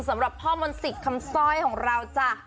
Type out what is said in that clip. สำหรับพ่อมนศิษย์คำซ่อยของเราจ้ะ